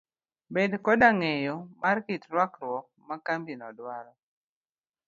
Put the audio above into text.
Bed koda ng'eyo mar kit rwakruok ma kambino dwaro.